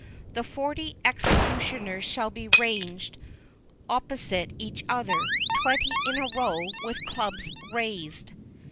The forty executioners shall be ranged opposite each other, twenty in a row, with clubs raised.